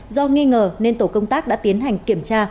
do nghi ngờ nên tổ công tác đã tiến hành kiểm tra